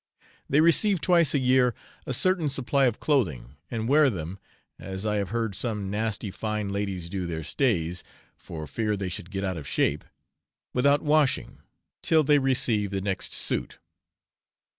They receive twice a year a certain supply of clothing, and wear them (as I have heard some nasty fine ladies do their stays, for fear they should get out of shape), without washing, till they receive the next suit.